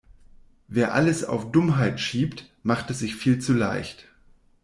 Wer alles auf Dummheit schiebt, macht es sich viel zu leicht.